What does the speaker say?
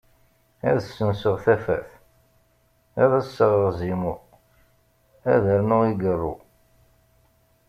Ad ssenseɣ tafat, ad ssaɣeɣ Zimu ad rnuɣ igarru.